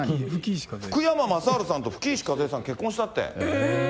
福山雅治さんと吹石一恵さん、結婚したって。